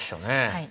はい。